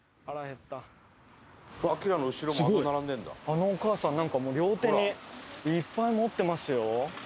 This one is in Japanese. あのお母さんなんかもう両手にいっぱい持ってますよ。